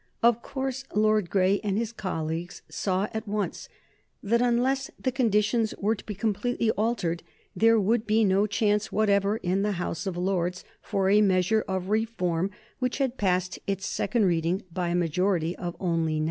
Of course Lord Grey and his colleagues saw, at once, that unless the conditions were to be completely altered there would be no chance whatever in the House of Lords for a measure of reform which had passed its second reading by a majority of only 9.